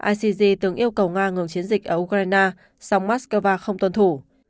icg từng yêu cầu nga ngừng chiến dịch ở ukraine song moscow không tuân thủ